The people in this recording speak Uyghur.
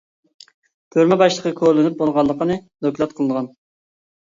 تۈرمە باشلىقى كولىنىپ بولغانلىقىنى دوكلات قىلغان.